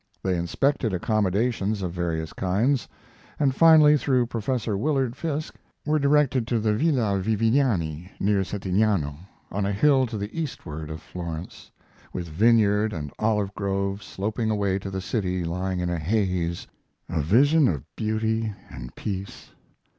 They inspected accommodations of various kinds, and finally, through Prof. Willard Fiske, were directed to the Villa Viviani, near Settignano, on a hill to the eastward of Florence, with vineyard and olive grove sloping away to the city lying in a haze a vision of beauty and peace.